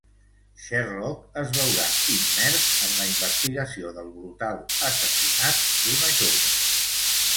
Sherlock es veurà immers en la investigació del brutal assassinat d’una jove.